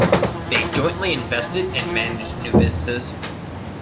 They jointly invested and managed new businesses.